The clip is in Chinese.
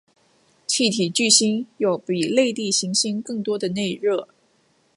气体巨星有比类地行星更多的内热。